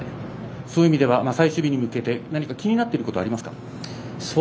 そういう意味では最終日に向けて気になっていることはありますか。